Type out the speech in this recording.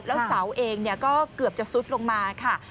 แล้วเสาเองก็เกือบจะซุดลงมาค่ะ